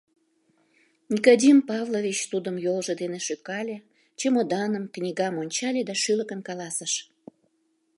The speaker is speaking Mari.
Никодим Павлович тудым йолжо дене шӱкале, чемоданым, книгам ончале да шӱлыкын каласыш: